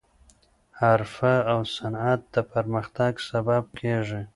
حرفه او صنعت د پرمختګ سبب کیږي.